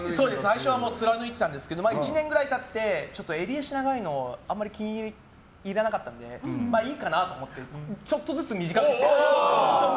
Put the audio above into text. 最初は貫いてたんですけど１年くらい経って襟足長いのあんまり気に入らなかったのでいいかなと思ってちょっとずつ短くしていって。